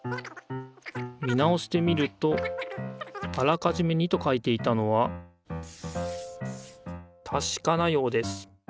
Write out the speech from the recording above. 見直してみるとあらかじめ「２」と書いていたのはたしかなようです。